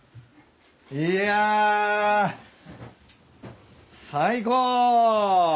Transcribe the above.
いや。最高！